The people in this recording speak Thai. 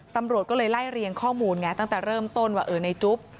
ตำรวจก็เลยไล่เรียงข้อมูลไงตั้งแต่เริ่มต้นว่าเออในจุ๊บ